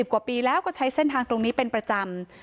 กว่าปีแล้วก็ใช้เส้นทางตรงนี้เป็นประจำ